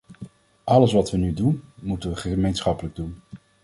Alles wat we nu doen, moeten we gemeenschappelijk doen.